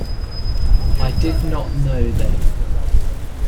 I did not know then.